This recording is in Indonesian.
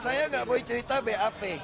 saya nggak boleh cerita bap